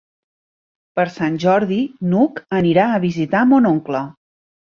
Per Sant Jordi n'Hug anirà a visitar mon oncle.